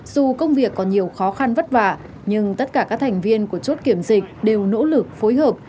dù công việc có nhiều khó khăn vất vả nhưng tất cả các thành viên của chốt kiểm dịch đều nỗ lực phối hợp